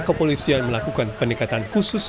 kepolisian melakukan pendekatan khusus